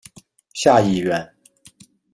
下议院。